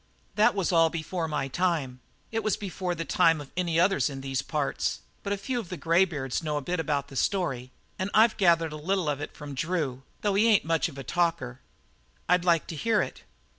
"That was all before my time; it was before the time of any others in these parts, but a few of the grey beards know a bit about the story and I've gathered a little of it from Drew, though he ain't much of a talker." "I'd like to hear it."